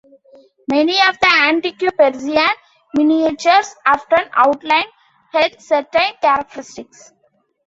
Many of the antique Persian miniatures often outlined her certain characteristics.